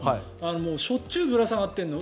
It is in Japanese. もうしょっちゅうぶら下がっているの。